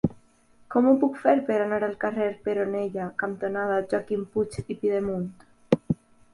Com ho puc fer per anar al carrer Peronella cantonada Joaquim Puig i Pidemunt?